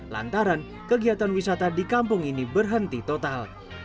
lantaran kegiatan wisata di kampung ini berhenti total